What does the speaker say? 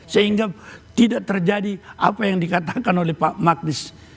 sehingga tidak terjadi apa yang dikatakan oleh pak magnis